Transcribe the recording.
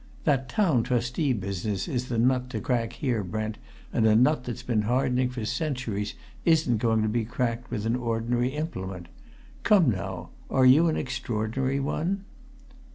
That Town Trustee business is the nut to crack here, Brent, and a nut that's been hardening for centuries isn't going to be cracked with an ordinary implement. Come now, are you an extraordinary one?"